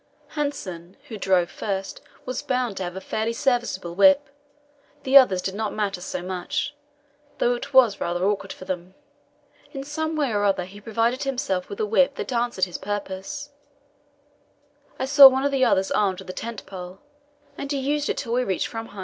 Hanssen, who drove first, was bound to have a fairly serviceable whip; the others did not matter so much, though it was rather awkward for them. In some way or other he provided himself with a whip that answered his purpose. I saw one of the others armed with a tent pole, and he used it till we reached Framheim.